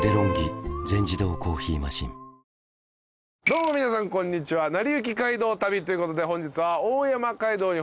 どうも皆さんこんにちは『なりゆき街道旅』ということで本日は。